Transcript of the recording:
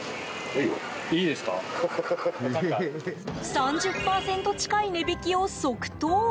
３０％近い値引きを即答。